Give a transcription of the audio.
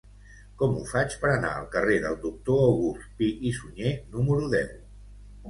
Com ho faig per anar al carrer del Doctor August Pi i Sunyer número deu?